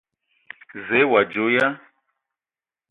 Zǝə, o adzo ya ?